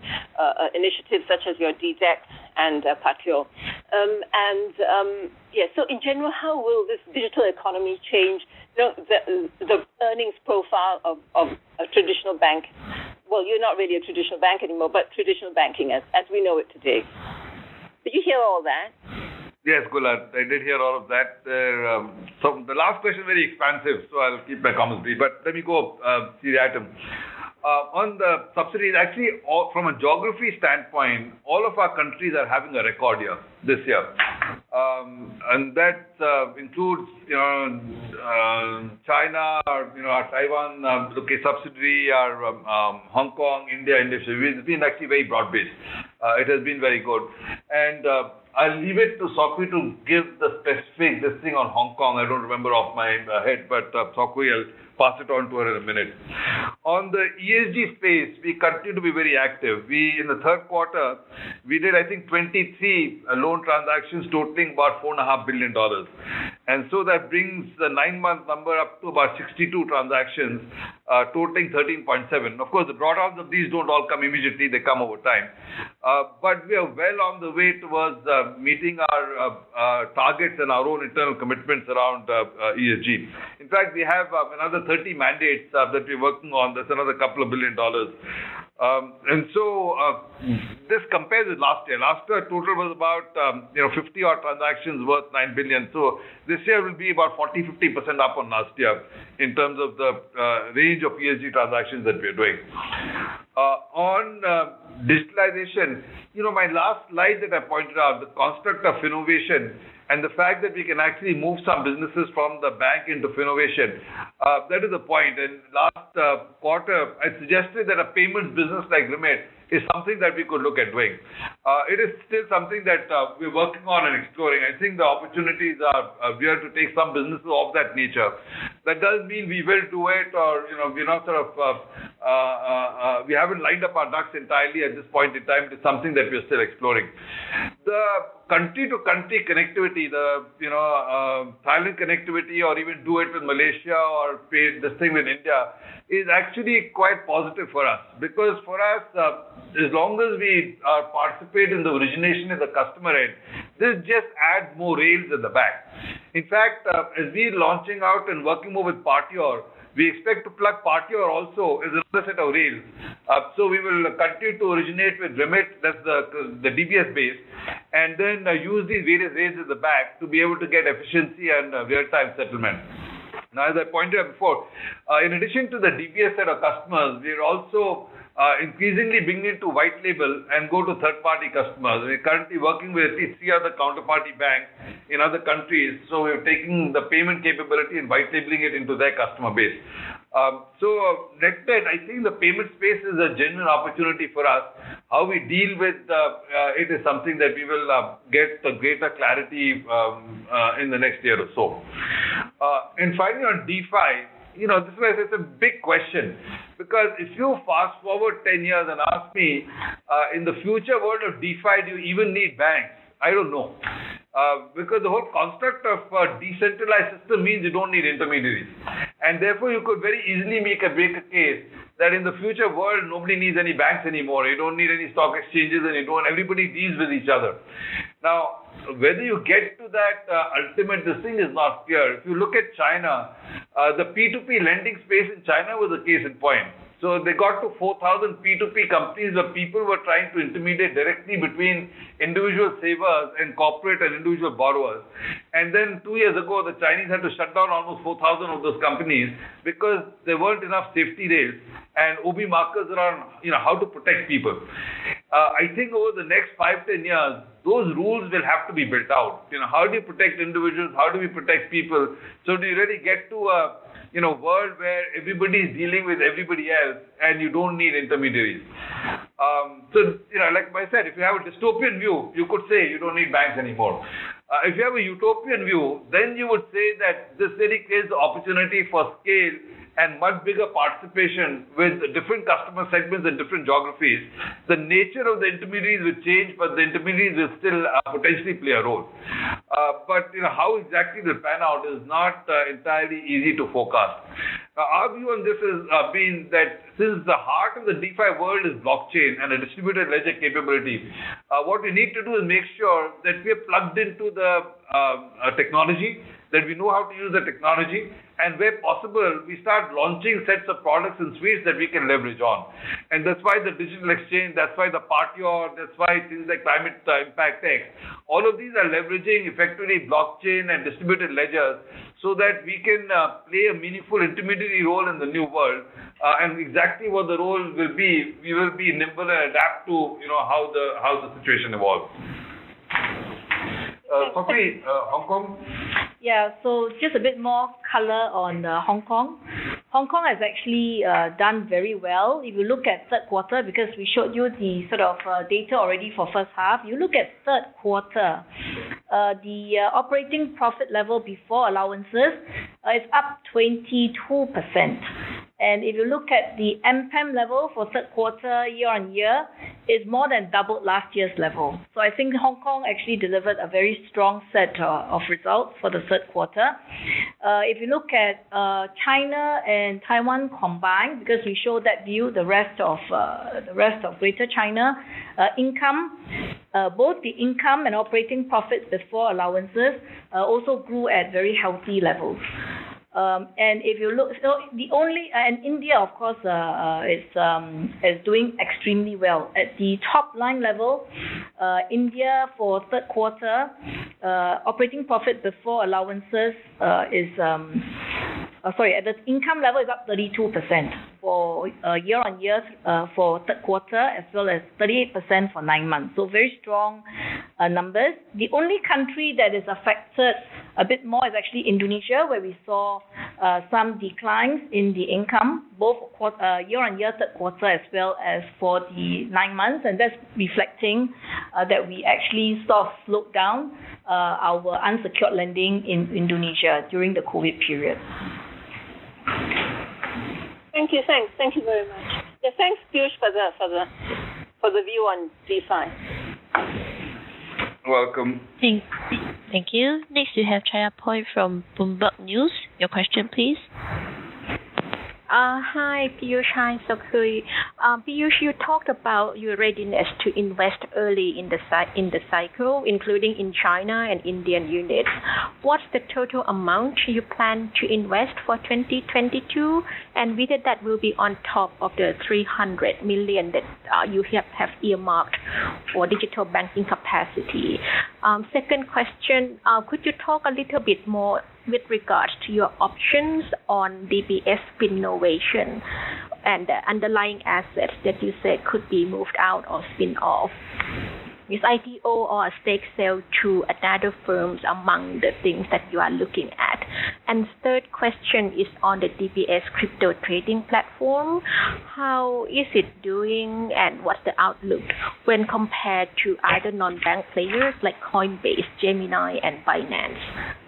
initiatives such as your DDEx and Partior. And yeah, so in general, how will this digital economy change the earnings profile of a traditional bank? Well, you're not really a traditional bank anymore, but traditional banking as we know it today. Did you hear all that? Yes, Goola, I did hear all of that. There, so the last question, very expansive, so I'll keep my comments brief, but let me go seriatim. On the subsidiaries, actually, all from a geography standpoint, all of our countries are having a record year, this year. And that includes, you know, China or, you know, our Taiwan subsidiary, our Hong Kong, India, Indonesia. It's been actually very broad-based. It has been very good. And I'll leave it to Sok Hui to give the specific listing on Hong Kong. I don't remember off my head, but Sok Hui, I'll pass it on to her in a minute. On the ESG space, we continue to be very active. We, in the third quarter, we did, I think, 23 loan transactions totaling about $4.5 billion. That brings the nine-month number up to about 62 transactions, totaling 13.7 billion. Of course, the pay-outs of these don't all come immediately, they come over time. But we are well on the way towards meeting our targets and our own internal commitments around ESG. In fact, we have another 30 mandates that we're working on. That's another couple of billion dollars. And so, this compares with last year. Last year, our total was about, you know, 50-odd transactions worth 9 billion. So this year will be about 40%-50% up on last year in terms of the range of ESG transactions that we're doing. On digitalization, you know, my last slide that I pointed out, the construct of innovation and the fact that we can actually move some businesses from the bank into innovation, that is the point. And last quarter, I suggested that a payment business like Remit is something that we could look at doing. It is still something that we're working on and exploring. I think the opportunities are there to take some businesses of that nature. That doesn't mean we will do it or, you know, we're not sort of, we haven't lined up our ducks entirely at this point in time. It is something that we're still exploring. The country-to-country connectivity, you know, Thailand connectivity or even do it with Malaysia or pay the same in India, is actually quite positive for us. Because for us, as long as we are participating in the origination as a customer end, this just adds more rails at the back. In fact, as we're launching out and working more with Partior, we expect to plug Partior also as another set of rails. So we will continue to originate with Remit, that's the DBS base and then use these various ways at the back to be able to get efficiency and real-time settlement. Now, as I pointed out before, in addition to the DBS set of customers, we are also increasingly bringing it to white label and go to third-party customers. We're currently working with three other counterparty banks in other countries, so we're taking the payment capability and white labeling it into their customer base. So net-net, I think the payment space is a general opportunity for us. How we deal with the, it is something that we will, get a greater clarity, in the next year or so. And finally, on DeFi, you know, this is a, it's a big question because if you fast-forward 10 years and ask me, in the future world of DeFi, do you even need banks? I don't know. Because the whole construct of a decentralized system means you don't need intermediaries, and therefore, you could very easily make a bigger case that in the future world, nobody needs any banks anymore. You don't need any stock exchanges, and you don't-- everybody deals with each other. Now, whether you get to that, ultimate, the thing is not clear. If you look at China, the P2P lending space in China was a case in point. So they got to 4,000 P2P companies, where people were trying to intermediate directly between individual savers and corporate and individual borrowers. And then two years ago, the Chinese had to shut down almost 4,000 of those companies because there weren't enough safety rails and OB markers around, you know, how to protect people. I think over the next five, 10 years, those rules will have to be built out. You know, how do you protect individuals? How do we protect people, so do you really get to a, you know, world where everybody is dealing with everybody else, and you don't need intermediaries? So you know, like I said, if you have a dystopian view, you could say you don't need banks anymore. If you have a utopian view, then you would say that this really creates the opportunity for scale and much bigger participation with different customer segments and different geographies. The nature of the intermediaries will change, but the intermediaries will still potentially play a role. But, you know, how exactly it will pan out is not entirely easy to forecast. Our view on this is been that since the heart of the DeFi world is blockchain and a distributed ledger capability, what we need to do is make sure that we are plugged into the technology, that we know how to use the technology, and where possible, we start launching sets of products and suites that we can leverage on. That's why the digital exchange, that's why Partior, that's why things like Climate Impact X, all of these are leveraging effectively blockchain and distributed ledgers so that we can play a meaningful intermediary role in the new world. And exactly what the role will be, we will be nimble and adapt to, you know, how the situation evolves. Sok Hui, Hong Kong? Yeah. So just a bit more color on, Hong Kong. Hong Kong has actually done very well. If you look at third quarter, because we showed you the sort of data already for first half. You look at third quarter, the operating profit level before allowances is up 22%. And if you look at the NPAM level for third quarter, year-on-year, it's more than doubled last year's level. So I think Hong Kong actually delivered a very strong set of results for the third quarter. If you look at China and Taiwan combined, because we showed that view, the rest of the rest of Greater China income, both the income and operating profits before allowances also grew at very healthy levels. So the only and India, of course, is doing extremely well. At the top line level, India, for third quarter, operating profit before allowances is. Sorry, at the income level, is up 32% for year-on-year for third quarter, as well as 38% for nine months. So very strong numbers. The only country that is affected a bit more is actually Indonesia, where we saw some declines in the income, both quarter year-on-year third quarter, as well as for the nine months, and that's reflecting that we actually sort of slowed down our unsecured lending in Indonesia during the COVID period. Thank you. Thanks. Thank you very much. Yeah, thanks, Piyush, for the view on DeFi. Welcome. Thank you. Next, we have Chanyaporn Chanjaroen from Bloomberg News. Your question, please. Hi, Piyush, hi, Sok Hui. Piyush, you talked about your readiness to invest early in the cycle, including in China and Indian units. What's the total amount you plan to invest for 2022? And we know that will be on top of the 300 million that you have earmarked for digital banking capacity. Second question, could you talk a little bit more with regards to your options on DBS Innovation and the underlying assets that you said could be moved out or spin-off? Is IPO or a stake sale to another firms among the things that you are looking at? And third question is on the DBS crypto trading platform. How is it doing, and what's the outlook when compared to other non-bank players like Coinbase, Gemini, and Binance?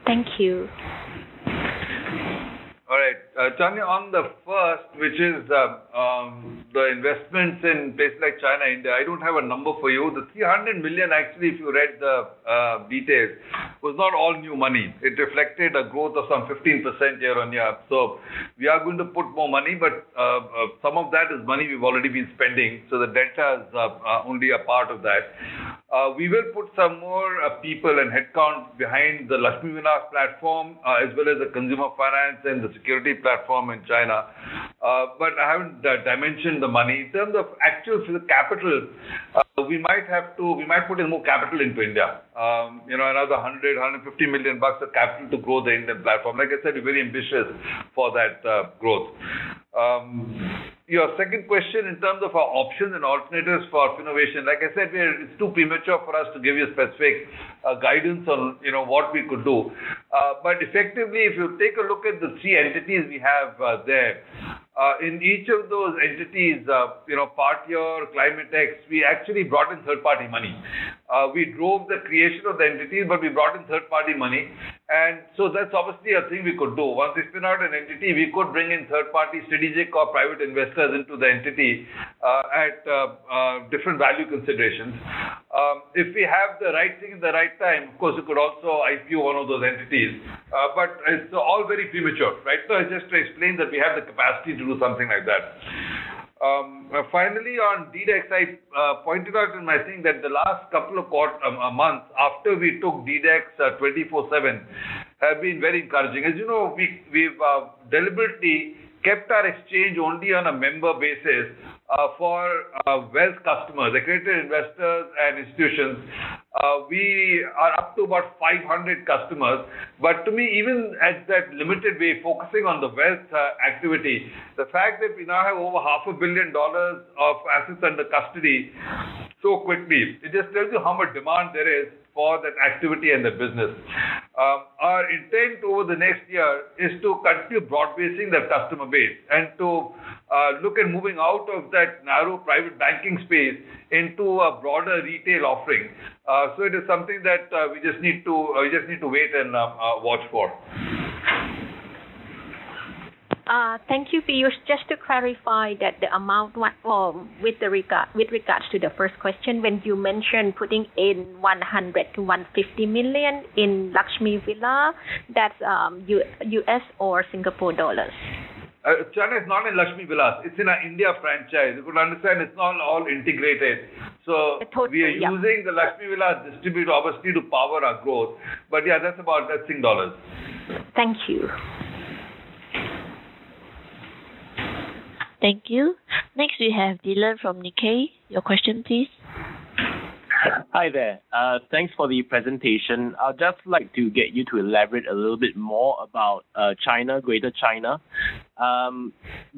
Thank you. All right. Chaya, on the first, which is, the investments in places like China, India, I don't have a number for you. The 300 million, actually, if you read the, details, was not all new money. It reflected a growth of some 15% year-on-year. So we are going to put more money, but, some of that is money we've already been spending, so the delta is, only a part of that. We will put some more, people and headcount behind the Lakshmi Vilas platform, as well as the consumer finance and the securities platform in China. But I haven't, dimensioned the money. In terms of actual capital, we might have to—we might put in more capital into India. You know, another $150 million of capital to grow the Indian platform. Like I said, we're very ambitious for that growth. Your second question in terms of our options and alternatives for innovation, like I said, we are. It's too premature for us to give you a specific guidance on, you know, what we could do. But effectively, if you take a look at the three entities we have there, in each of those entities, you know, Partior, Climate X, we actually brought in third-party money. We drove the creation of the entities, but we brought in third-party money, and so that's obviously a thing we could do. Once we spin out an entity, we could bring in third-party strategic or private investors into the entity at different value considerations. If we have the right thing at the right time, of course, we could also IPO one of those entities, but it's all very premature, right? So just to explain that we have the capacity to do something like that. Finally, on DDEx, I pointed out in my thing that the last couple of quarters months after we took DDEx 24/7 have been very encouraging. As you know, we've deliberately kept our exchange only on a member basis for wealth customers, accredited investors, and institutions. We are up to about 500 customers, but to me, even at that limited way, focusing on the wealth activity, the fact that we now have over $500 million of assets under custody so quickly, it just tells you how much demand there is for that activity and that business. Our intent over the next year is to continue broad-basing that customer base and to look at moving out of that narrow private banking space into a broader retail offering. So it is something that we just need to, we just need to wait and watch for. Thank you, Piyush. Just to clarify the amount with regards to the first question, when you mentioned putting in 100-150 million in Lakshmi Vilas, that's US or Singapore dollars? China is not in Lakshmi Vilas. It's in our India franchise. You could understand it's not all integrated. Totally, yeah. We are using the Lakshmi Vilas distributor, obviously, to power our growth. Yeah, that's about investing dollars. Thank you. Thank you. Next, we have Dylan from Nikkei. Your question, please. Hi there. Thanks for the presentation. I'd just like to get you to elaborate a little bit more about China, Greater China. Do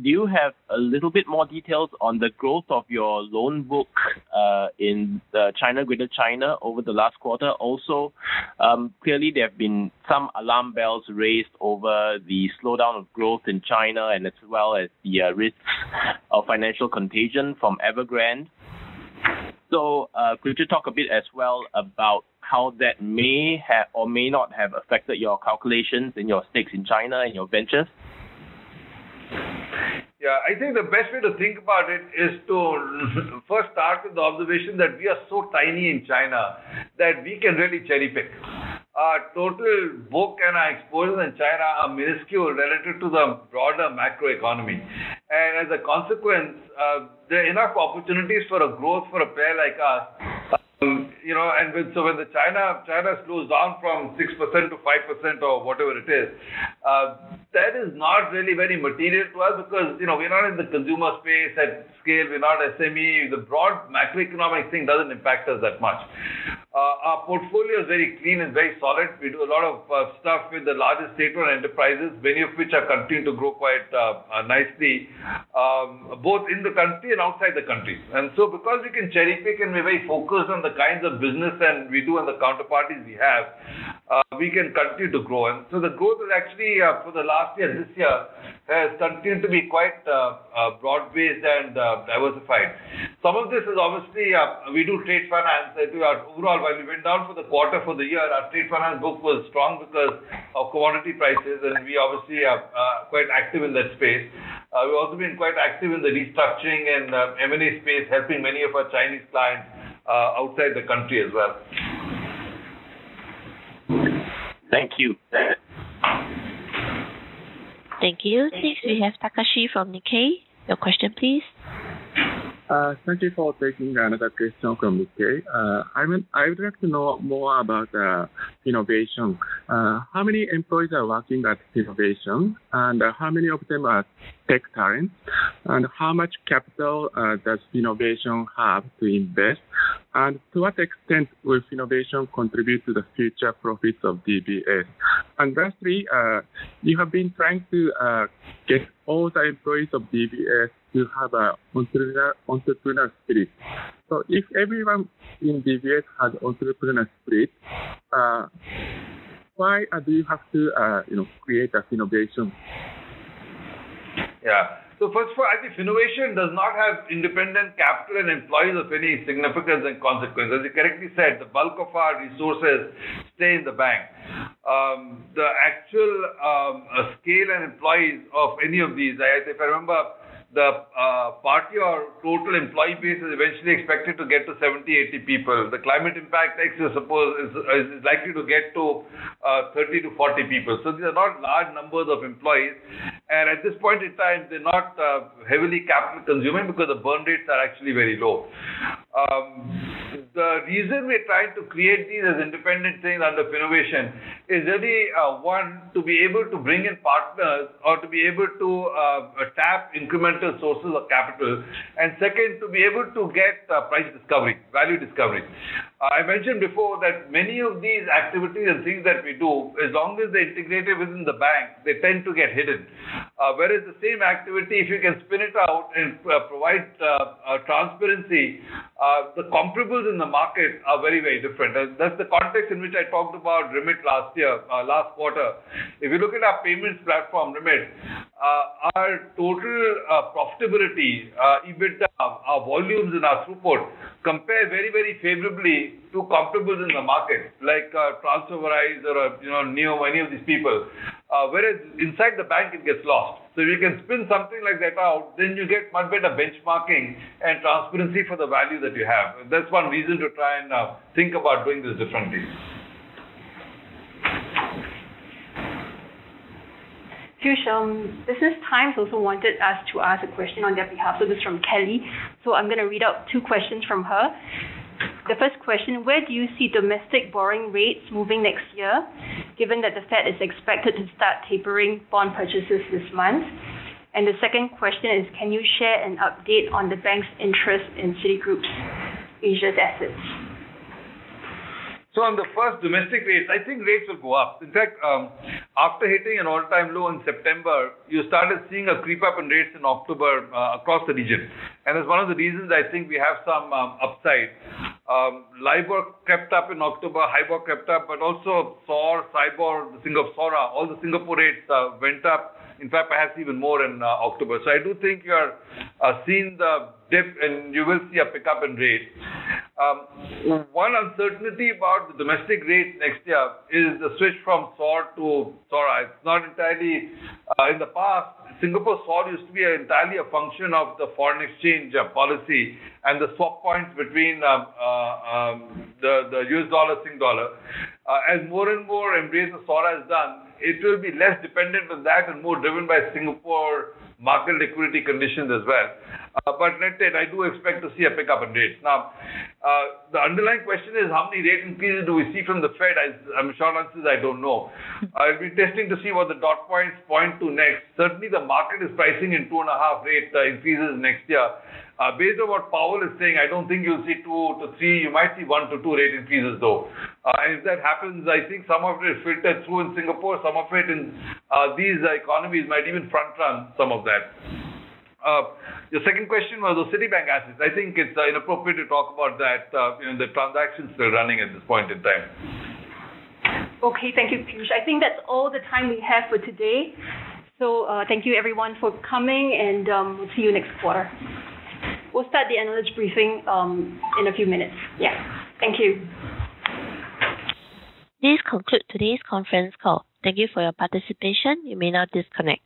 you have a little bit more details on the growth of your loan book in China, Greater China, over the last quarter? Also, clearly, there have been some alarm bells raised over the slowdown of growth in China and as well as the risks of financial contagion from Evergrande. So, could you talk a bit as well about how that may have or may not have affected your calculations and your stakes in China and your ventures? Yeah, I think the best way to think about it is to first start with the observation that we are so tiny in China that we can really cherry-pick. Our total book and our exposure in China are minuscule relative to the broader macroeconomy. And as a consequence, there are enough opportunities for a growth for a player like us. You know, and when China slows down from 6% to 5% or whatever it is, that is not really very material to us because, you know, we're not in the consumer space at scale. We're not SME. The broad macroeconomic thing doesn't impact us that much. Our portfolio is very clean and very solid. We do a lot of stuff with the largest state-owned enterprises, many of which have continued to grow quite nicely, both in the country and outside the country. And so because we can cherry-pick and we're very focused on the kinds of business that we do and the counterparties we have, we can continue to grow. And so the growth is actually, for the last year, this year, has continued to be quite broad-based and diversified. Some of this is obviously we do trade finance. If you are overall, while we went down for the quarter, for the year, our trade finance book was strong because of commodity prices, and we obviously are quite active in that space. We've also been quite active in the restructuring and M&A space, helping many of our Chinese clients outside the country as well. Thank you. Thank you. Next, we have Takashi from Nikkei. Your question, please. Thank you for taking another question from Nikkei. I mean, I would like to know more about innovation. How many employees are working at innovation? And how many of them are tech talent? And how much capital does innovation have to invest? And to what extent will innovation contribute to the future profits of DBS? And lastly, you have been trying to get all the employees of DBS to have an entrepreneurial spirit. So if everyone in DBS has entrepreneurial spirit, why do you have to, you know, create that innovation? Yeah. So first of all, I think innovation does not have independent capital and employees of any significance and consequence. As you correctly said, the bulk of our resources stay in the bank. The actual scale and employees of any of these, I, if I remember, the Partior total employee base is eventually expected to get to 70-80 people. The Climate Impact, I suppose, is likely to get to 30-40 people. So these are not large numbers of employees, and at this point in time, they're not heavily capital-consuming because the burn rates are actually very low. The reason we're trying to create these as independent things under Innovation is really, one, to be able to bring in partners or to be able to tap incremental sources of capital, and second, to be able to get price discovery, value discovery. I mentioned before that many of these activities and things that we do, as long as they're integrated within the bank, they tend to get hidden. Whereas the same activity, if you can spin it out and provide transparency, the comparables in the market are very, very different. That's the context in which I talked about Remit last year, last quarter. If you look at our payments platform, Remit, our total profitability, EBITDA, our volumes in our throughput compare very, very favorably to comparables in the market, like, TransferWise or, you know, Neo, any of these people. Whereas inside the bank, it gets lost. So if you can spin something like that out, then you get much better benchmarking and transparency for the value that you have. That's one reason to try and think about doing this differently. Piyush, Business Times also wanted us to ask a question on their behalf, so this is from Kelly. So I'm gonna read out two questions from her. The first question: Where do you see domestic borrowing rates moving next year, given that the Fed is expected to start tapering bond purchases this month? And the second question is: Can you share an update on the bank's interest in Citigroup's Asia assets? So on the first, domestic rates, I think rates will go up. In fact, after hitting an all-time low in September, you started seeing a creep up in rates in October, across the region. And it's one of the reasons I think we have some, upside. LIBOR crept up in October, HIBOR crept up, but also SOR, IBOR, Singapore SORA, all the Singapore rates, went up, in fact, perhaps even more in, October. So I do think you are, seeing the dip, and you will see a pickup in rates. One uncertainty about the domestic rates next year is the switch from SOR to SORA. It's not entirely... In the past, Singapore SOR used to be entirely a function of the foreign exchange policy and the swap points between, the, the U.S. dollar, Sing dollar. As more and more embrace the SORA is done, it will be less dependent on that and more driven by Singapore market liquidity conditions as well. But let's say, I do expect to see a pickup in rates. Now, the underlying question is: How many rate increases do we see from the Fed? Short answer is I don't know. I'll be testing to see what the dot points point to next. Certainly, the market is pricing in 2.5 rate increases next year. Based on what Powell is saying, I don't think you'll see 2-3. You might see 1-2 rate increases, though. And if that happens, I think some of it is filtered through in Singapore, some of it in these economies might even front run some of that. Your second question was the Citibank assets. I think it's inappropriate to talk about that, you know, the transactions are still running at this point in time. Okay, thank you, Piyush. I think that's all the time we have for today. So, thank you everyone for coming, and we'll see you next quarter. We'll start the analyst briefing in a few minutes. Yeah. Thank you. This concludes today's conference call. Thank you for your participation. You may now disconnect.